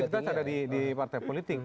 subjektivitas ada di partai politik